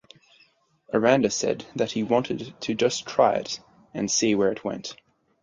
Aranda said that he wanted to just try it and see where it went.